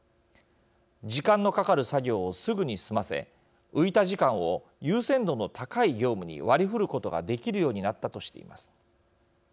時間のかかる作業をすぐに済ませ浮いた時間を優先度の高い業務に割り振ることができるようになったとしています。